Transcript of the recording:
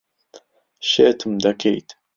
شێتم دەکەیت.